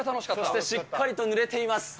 そしてしっかりとぬれています。